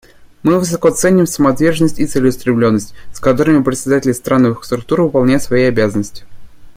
Мы высоко ценим самоотверженность и целеустремленность, с которыми председатели страновых структур выполняют свои обязанности.